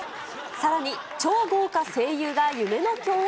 さらに、超豪華声優が夢の共演。